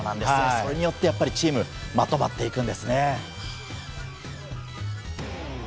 それによって、やはりチーム、まとまっていくんですね。